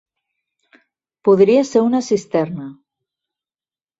Podria ser una cisterna.